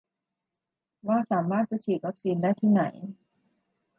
ว่าสามารถไปฉีดวัคซีนได้ที่ไหน